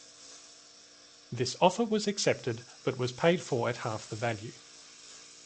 This offer was accepted but was paid for at half the value.